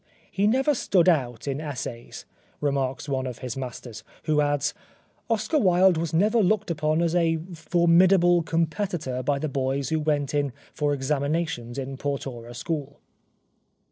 " He never stood out in essays," remarks one of his masters, who adds :" Oscar Wilde was never looked upon as a formidable competitor by the boys who went in for examina tions in Portora school."